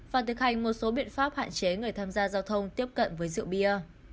và thực hành một số biện pháp hạn chế người tham gia giao thông tiếp cận với rượu bia